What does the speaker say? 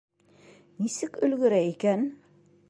Нисек өлгөрә икән?